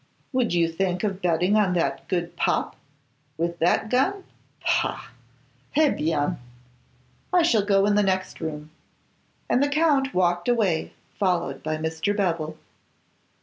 Would you think of betting on that good Pop, with that gun? Pah! Eh! bien! I shall go in the next room.' And the Count walked away, followed by Mr. Bevil.